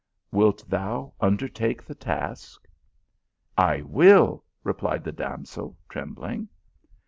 Wilt thou undertake the task? " 44 I will !" replied the damsel, trembling.